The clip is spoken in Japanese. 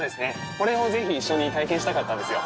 これをぜひ一緒に体験したかったんですよ。